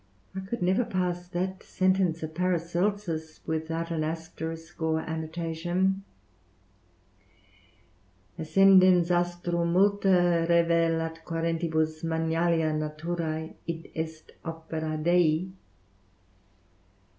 I could never pass that sentence of Paracelsus without an asterisk or annotation: "Ascendens astrum multa revelat quærentibus magnalia naturæ, i.e., opera Dei."